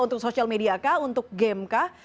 untuk sosial media kah untuk game kah